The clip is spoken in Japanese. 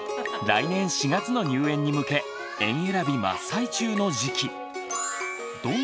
来年４月の入園に向け園えらび真っ最中の時期。